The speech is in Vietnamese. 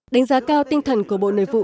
đánh giá cao tinh thần của bộ nội vụ